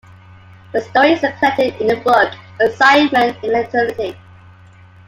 The story is collected in the book "Assignment in Eternity".